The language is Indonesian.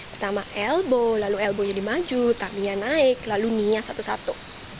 pertama elbow lalu elbow jadi maju tummy nya naik lalu knee nya satu satu